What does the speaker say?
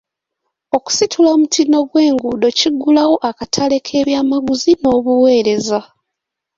Okusitula omutindo gw'enguudo kiggulawo akatale k'ebyamaguzi n'obuweereza.